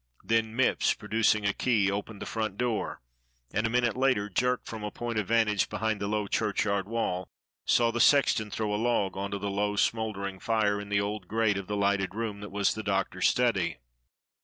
Then Mipps, producing a key, opened the front door, and a minute later Jerk from a point of vantage behind the low churchyard wall saw the sexton throw a log on to the low, smouldering fire in the old grate of the front room that was the Doctor's study.